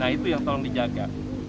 nah itu yang tolong dijaga